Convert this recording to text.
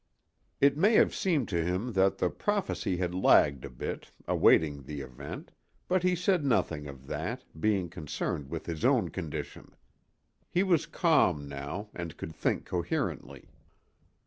It may have seemed to him that the prophecy had lagged a bit, awaiting the event, but he said nothing of that, being concerned with his own condition. He was calm now, and could think coherently.